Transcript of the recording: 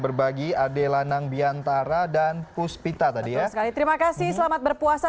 berbagi adela nang biantara dan puspita tadi ya terima kasih selamat berpuasa